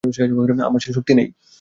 আমার সে শক্তি নেই।